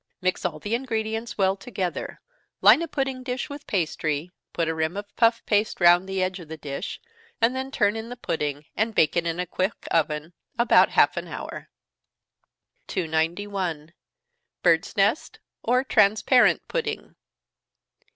Mix all the ingredients well together line a pudding dish with pastry, put a rim of puff paste round the edge of the dish, and then turn in the pudding, and bake it in a quick oven about half an hour. 291. _Bird's Nest, or Transparent Pudding.